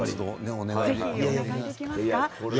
お願いできますか？